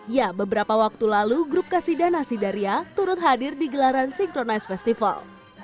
ya beberapa waktu lalu grup kasidah nasidaria turut hadir di gelaran synchronize festival